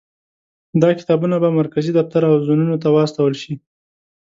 دا کتابونه به مرکزي دفتر او زونونو ته واستول شي.